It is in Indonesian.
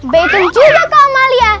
betul juga kok amalia